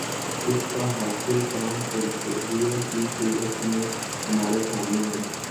اس کا حاصل خام تجزیے کی صورت میں ہمارے سامنے ہے۔